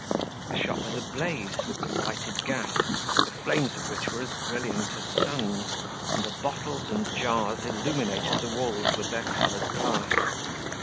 The shop was ablaze with the lighted gas, the flames of which were as brilliant as suns, and the bottles and jars illuminated the walls with their colored glass.